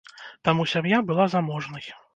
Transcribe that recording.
Таму сям'я была заможнай.